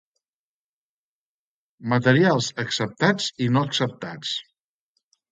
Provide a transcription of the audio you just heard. Materials acceptats i no acceptats.